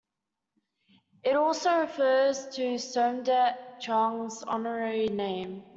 It also refers to Somdet Chuang's honorary name.